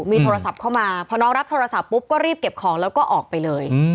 มีโทรศัพท์เข้ามาพอน้องรับโทรศัพท์ปุ๊บก็รีบเก็บของแล้วก็ออกไปเลย